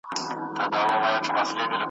هلته بل ميوند جوړيږي `